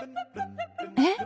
えっ！